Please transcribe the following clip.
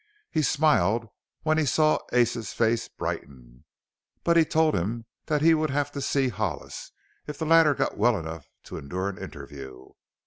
He smiled when he saw Ace's face brighten. But he told him he would have to see Hollis if the latter got well enough to endure an interview.